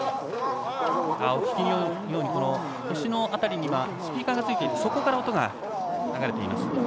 腰の辺りにはスピーカーがついていてそこから音が流れています。